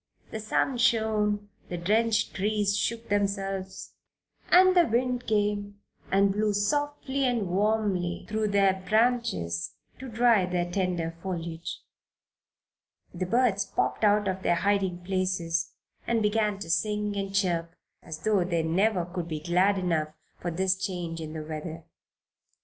The sun shone, the drenched trees shook themselves, and the wind came and blew softly and warmly through their branches to dry the tender foliage. The birds popped out of their hiding places and began to sing and chirp as though they never could be glad enough for this change in the weather.